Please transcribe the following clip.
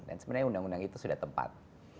dan sebenarnya undang undang itu sudah tepat